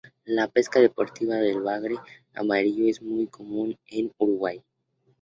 La pesca deportiva del Bagre Amarillo es muy común en Uruguay.